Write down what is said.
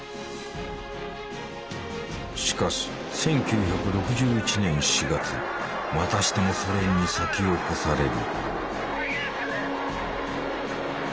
しかし１９６１年４月またしてもソ連に先を越される。